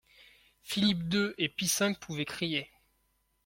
Philippe deux et Pie cinq pouvaient crier.